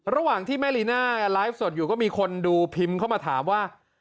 ระหว่างที่แม่ลีน่าไลฟ์สดอยู่ก็มีคนดูพิมพ์เข้ามาถามว่า